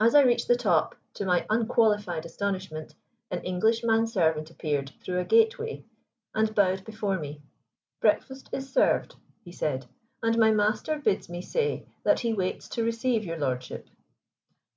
As I reached the top, to my unqualified astonishment, an English man servant appeared through a gate way and bowed before me. "Breakfast is served," he said, "and my master bids me say that he waits to receive your lordship."